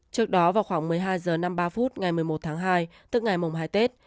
trước đó vào khoảng một mươi hai h năm mươi ba phút ngày một mươi một tháng hai tức ngày mùng hai tết